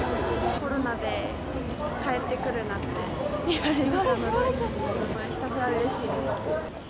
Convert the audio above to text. コロナで帰って来るなって言われたので、ひたすらうれしいです。